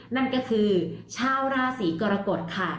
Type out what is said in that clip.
นั่นก็คือชาวราศีกรกฎค่ะ